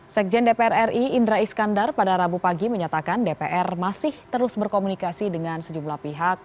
sekjen dpr ri indra iskandar pada rabu pagi menyatakan dpr masih terus berkomunikasi dengan sejumlah pihak